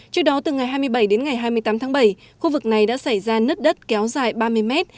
trước đó từ ngày hai mươi bảy đến ngày hai mươi tám tháng bảy khu vực này đã xảy ra nứt đất kéo dài ba mươi mét